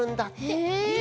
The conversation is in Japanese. へえ！